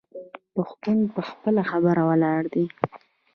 پښتون په خپله خبره ولاړ دی.